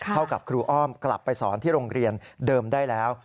เท่ากับครูอ้อมกลับไปสอนที่โรงเรียนเดิมได้แล้ว